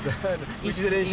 うちで練習。